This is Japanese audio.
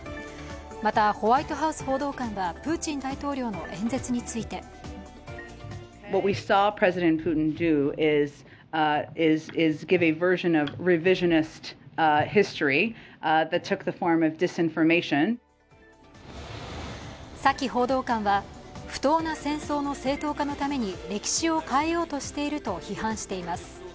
またホワイトハウス報道官はプーチン大統領の演説についてサキ報道官は、不当な戦争の正当化のために歴史を変えようとしていると批判しています。